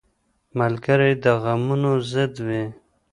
ملګری د غمونو ضد وي